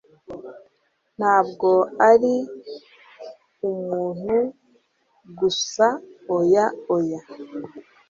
ntabwo ari umuntu gusaoya, oya